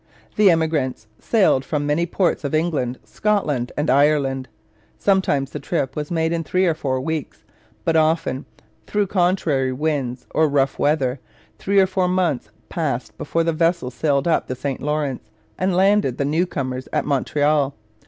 The emigrants sailed from many ports of England, Scotland, and Ireland. Sometimes the trip was made in three or four weeks; but often, through contrary winds or rough weather, three or four months passed before the vessel sailed up the St Lawrence and landed the newcomers at Montreal.